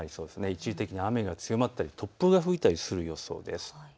一時的に雨が強まったり突風が吹いたりする予想です。